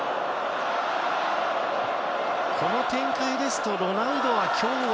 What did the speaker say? この展開ですとロナウドは、今日は。